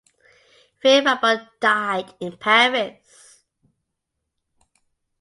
Pierre Rabon died in Paris.